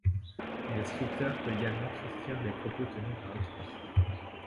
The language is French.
Mais le scripteur peut également transcrire des propos tenus par autrui.